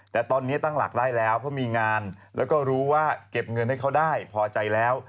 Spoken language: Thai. แต่ตอนนี้ตั้งหลักได้แล้วเพราะมีงานแล้วก็รู้ว่าเก็บเงินให้เขาได้พอใจแล้ว